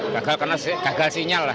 gagal karena gagal sinyal lah